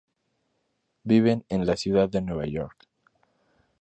Viven en la ciudad de Nueva York.